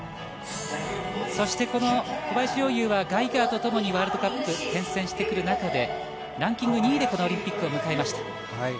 小林陵侑はガイガーとともにワールドカップ転戦してくる中でランキング２位でオリンピックを迎えました。